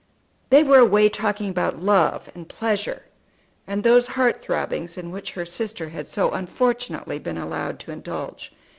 They were away talking about love and pleasure, and those heart throbbings in which her sister had so unfortunately been allowed to indulge.